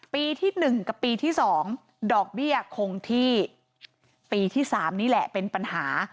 ปีที่๑กับปีที่๒ดอกเบี้ยคงที่ปีที่๓นี่แหละเป็นปัญหา